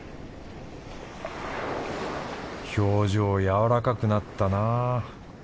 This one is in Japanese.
表情柔らかくなったな。